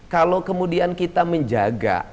kalau kemudian kita menjaga